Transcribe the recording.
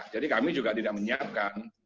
jadi kami juga tidak menyiapkan